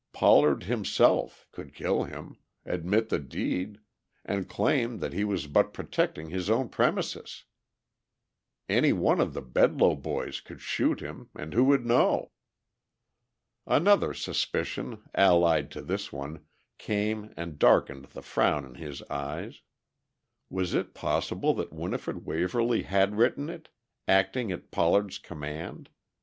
Pollard, himself, could kill him, admit the deed and claim that he was but protecting his own premises. Any one of the Bedloe boys could shoot him and who would know? Another suspicion, allied to this one, came and darkened the frown in his eyes. Was it possible that Winifred Waverly had written it, acting at Pollard's command?